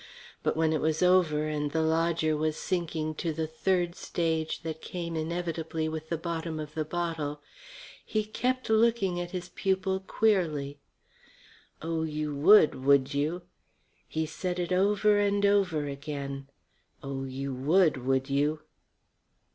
But when it was over and the lodger was sinking to the third stage that came inevitably with the bottom of the bottle, he kept looking at his pupil queerly. "Oh, you would! Oh, you would, would you?" He said it over and over again. "Oh, you would, would you?"